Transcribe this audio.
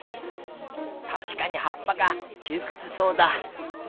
たしかにはっぱがきゅうくつそうだ。